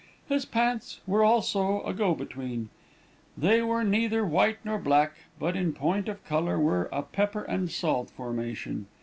His pants were also a go between; they were neither white nor black, but in point of color, were a pepper and salt formation.